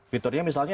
fiturnya misalnya apa